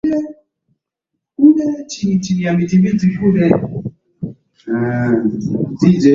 Raisi Samia Kama angetoa kauli ya kukubaliana na wazee wale